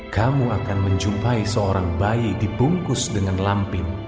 kamu akan menemukan seorang bayi dibungkus dengan lampin